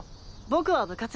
僕は部活。